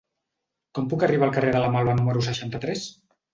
Com puc arribar al carrer de la Malva número seixanta-tres?